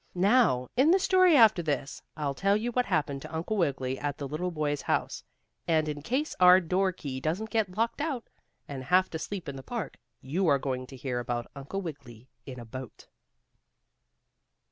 Now, in the story after this I'll tell you what happened to Uncle Wiggily at the little boy's house, and in case our door key doesn't get locked out, and have to sleep in the park, you are going to hear about Uncle Wiggily in a boat.